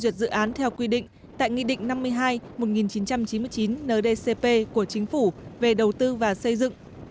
hành vi phạm tội của nhà nước đã được thẩm định phê duyệt dự án theo quy định tại nghị định năm mươi hai một nghìn chín trăm chín mươi chín ndcp của chính phủ về đầu tư và xây dựng